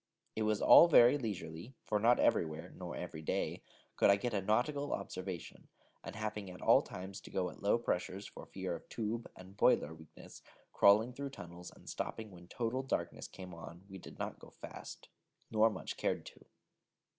It was all very leisurely, for not everywhere, nor every day, could I get a nautical observation, and having at all times to go at low pressures for fear of tube and boiler weakness, crawling through tunnels, and stopping when total darkness came on, we did not go fast, nor much cared to.